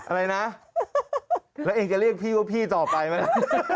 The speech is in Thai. อะไรนะแล้วเองจะเรียกพี่ว่าพี่ต่อไปไหมล่ะ